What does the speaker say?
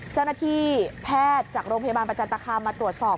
เจ้าหน้าที่แพทย์จากโรงพยาบาลประจันตคามมาตรวจสอบ